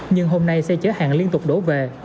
nhưng hôm nay xe chở hàng liên tục đổ về